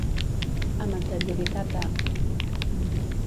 Amb anterioritat a.